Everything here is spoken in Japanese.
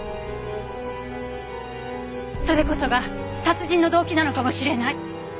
それこそが殺人の動機なのかもしれない。